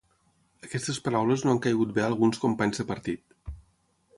Aquestes paraules no han caigut bé a alguns companys de partit.